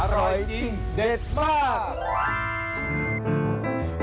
อร่อยจริงเด็ดมาก